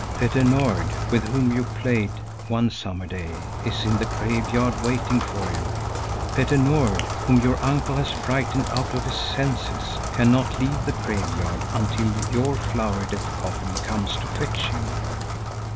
"Petter Nord, with whom you played one summer day, is in the graveyard waiting for you. Petter Nord, whom your uncle has frightened out of his senses, cannot leave the graveyard until your flower decked coffin comes to fetch him."